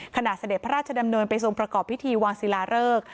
เสด็จพระราชดำเนินไปทรงประกอบพิธีวางศิลาเริก